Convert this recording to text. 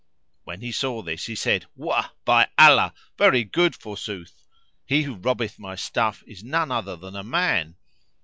When he saw this, he said, "Wah! by Allah, very good forsooth! He who robbeth my stuff is none other than a man."